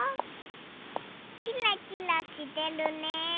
キラキラしてるね。